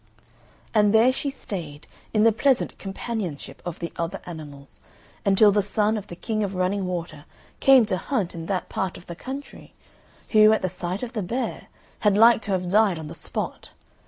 And there she stayed, in the pleasant companionship of the other animals, until the son of the King of Running Water came to hunt in that part of the country, who, at the sight of the bear, had like to have died on the spot.